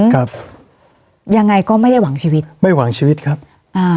ครับยังไงก็ไม่ได้หวังชีวิตไม่หวังชีวิตครับอ่า